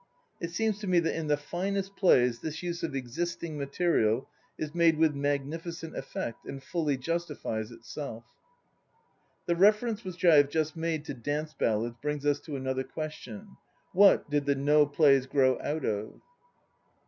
It seems to me that in the finest plays this use of existing material is made with magnificent effect and fully justifies itself. The reference which I have just made to dance ballads brings us to another question. What did the No plays grow out of?